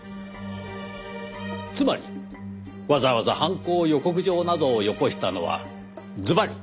つまりわざわざ犯行予告状などをよこしたのはずばり！